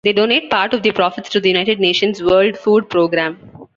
They donate part of their profits to the "United Nations World Food Programme".